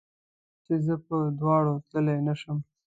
هی افسوس چې زه په دواړو تللی نه شم